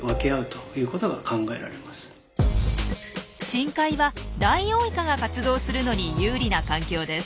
深海はダイオウイカが活動するのに有利な環境です。